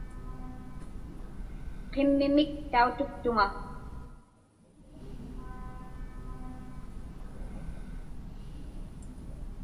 Qimmimik tautuktuŋa.